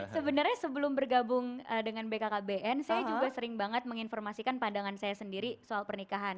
sebenarnya sebelum bergabung dengan bkkbn saya juga sering banget menginformasikan pandangan saya sendiri soal pernikahan